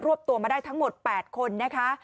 วบตัวมาได้ทั้งหมด๘คนนะคะ